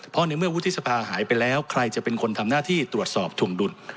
เพราะในเมื่อวุฒิสภาหายไปแล้วใครจะเป็นคนทำหน้าที่ตรวจสอบถวงดุล